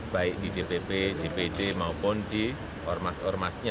baik di dpp dpd maupun di ormas ormasnya